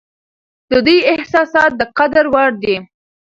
د دوی احساسات د قدر وړ دي.